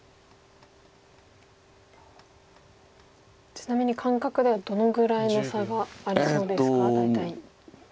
ちなみに感覚ではどのぐらいの差がありそうですか大体。